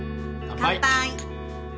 乾杯！